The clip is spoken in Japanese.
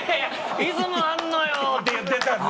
「『イズム』あんのよ」って言ってたんで。